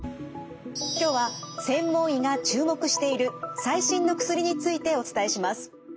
今日は専門医が注目している最新の薬についてお伝えします。